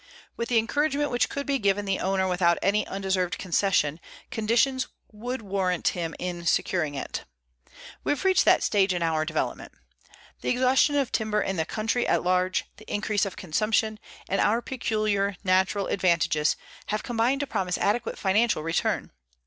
With the encouragement which could be given the owner without any undeserved concession, conditions would warrant him in securing it. We have reached that stage in our development. The exhaustion of timber in the country at large, the increase of consumption, and our peculiar natural advantages, have combined to promise adequate financial return.